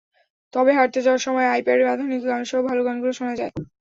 তবে হাঁটতে যাওয়ার সময় আইপ্যাডে আধুনিক গানসহ ভালো গানগুলো শোনা হয়।